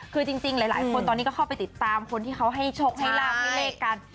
คือจริงหลายคนตอนนี้ก็เข้าไปติดตามคนที่เขาให้โชคให้ลาบให้เลขกัน